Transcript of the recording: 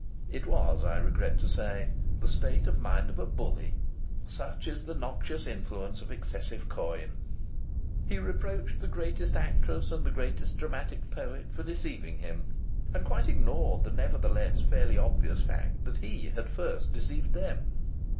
It was, I regret to say, the state of mind of a bully. Such is the noxious influence of excessive coin! He reproached the greatest actress and the greatest dramatic poet for deceiving him, and quite ignored the nevertheless fairly obvious fact that he had first deceived them.